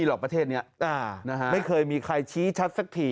โอ๋ยรายแรกเหรอฮะอ๋อ